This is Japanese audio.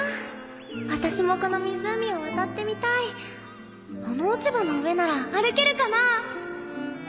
私もこの湖を渡ってみたいあの落ち葉の上なら歩けるかなぁ？